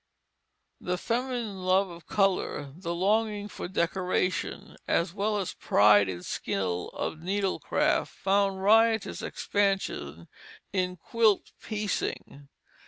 The feminine love of color, the longing for decoration, as well as pride in skill of needle craft, found riotous expansion in quilt piecing.